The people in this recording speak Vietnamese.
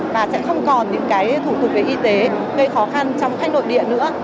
và sẽ không còn những cái thủ tục về y tế gây khó khăn trong khách nội địa nữa